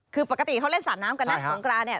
คือปกติเขาเล่นสาดน้ำกันนะสงกรานเนี่ย